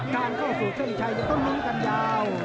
การเข้าสู่เส้นชัยจะต้องลุ้นกันยาว